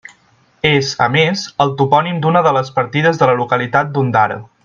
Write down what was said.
És, a més, el topònim d'una de les partides de la localitat d'Ondara.